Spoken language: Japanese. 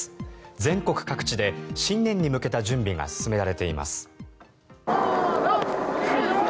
全国各地で新年に向けた準備が進められています。